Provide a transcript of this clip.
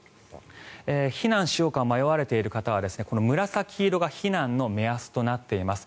避難しようか迷われている方は紫色が避難の目安となっています。